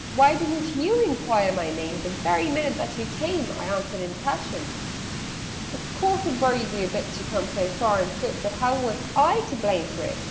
Why didn't you enquire my name The very minute that you came?" I answered in a passion. "Of course it worries you a bit To come so far on foot But how was I to blame for it?"